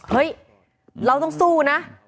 เฮ้ยเราต้องสู้นะ